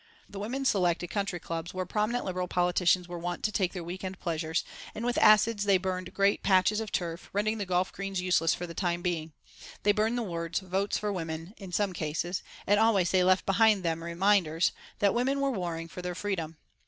The women selected country clubs where prominent Liberal politicians were wont to take their week end pleasures, and with acids they burned great patches of turf, rendering the golf greens useless for the time being. They burned the words, Votes for Women, in some cases, and always they left behind them reminders that women were warring for their freedom.